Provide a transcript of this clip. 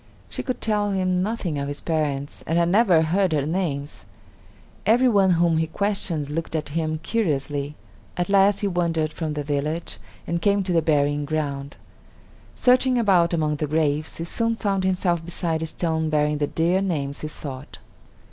She could tell him nothing of his parents, and had never heard their names. Every one whom he questioned looked at him curiously. At last he wandered from the village and came to the burying ground. Searching about among the graves, he soon found himself beside a stone bearing the dear names he sought.